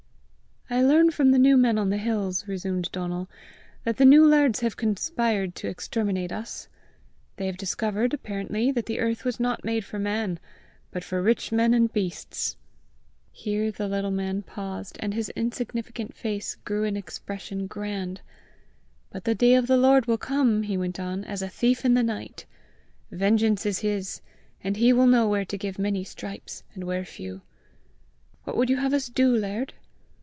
"I learn from the new men on the hills," resumed Donal, "that the new lairds have conspired to exterminate us. They have discovered, apparently, that the earth was not made for man, but for rich men and beasts!" Here the little man paused, and his insignificant face grew in expression grand. "But the day of the Lord will come," he went on, "as a thief in the night. Vengeance is his, and he will know where to give many stripes, and where few. What would you have us do, laird?"